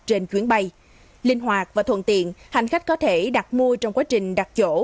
trên chuyến bay linh hoạt và thuận tiện hành khách có thể đặt mua trong quá trình đặt chỗ